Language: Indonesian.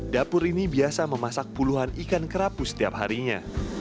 dapur ini biasa memasak puluhan ikan kerapu setiap harinya